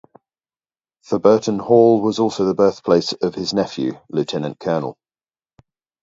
Theberton Hall was also the birthplace of his nephew, Lt-Col.